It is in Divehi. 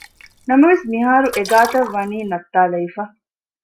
ނަމަވެސް މިހާރު އެގާތައް ވަނީ ނައްތާލެވިފަ